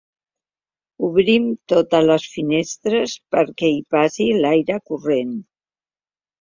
Obrim totes les finestres perquè hi passi l'aire corrent.